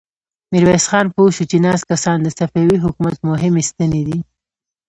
ميرويس خان پوه شو چې ناست کسان د صفوي حکومت مهمې ستنې دي.